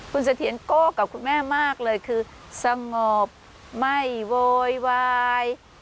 คุณเสถียรโก้กับคุณแม่มากเลยคือสงบไม่โวยวาย